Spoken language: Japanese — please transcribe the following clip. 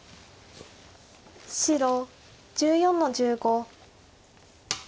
白１４の十五。